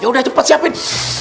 ya udah cepet siapin